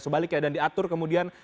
sebaliknya dan diatur kemudian